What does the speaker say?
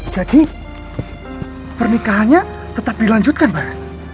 jadi pernikahannya tetap dilanjutkan pak